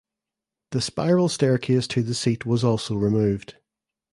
The spiral staircase to the seat was also removed.